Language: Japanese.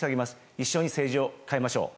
一緒に政治を変えましょう。